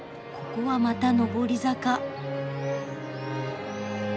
ここはまた上り坂。